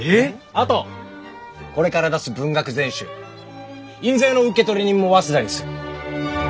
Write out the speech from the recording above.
あとこれから出す文学全集印税の受取人も早稲田にする。